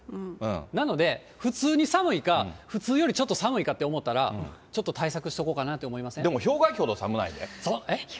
なので、普通に寒いか、普通よりちょっと寒いかと思ったら、ちょっと対策しておこかなと思いませでも、氷河期ほど寒くないで。